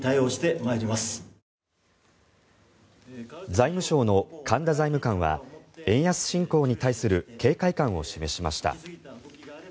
財務省の神田財務官は円安進行に対する警戒感を示しました。